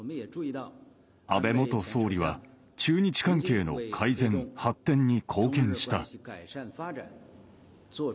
安倍元総理は中日関係の改善・発展に貢献した。